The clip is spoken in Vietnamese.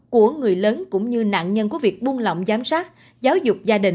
của người lớn cũng như nạn nhân của việc buôn lọng giám sát giáo dục gia đình